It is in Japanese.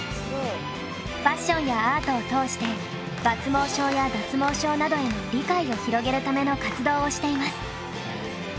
ファッションやアートを通して抜毛症や脱毛症などへの理解を広げるための活動をしています。